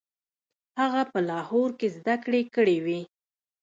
هغه په لاهور کې زده کړې کړې وې.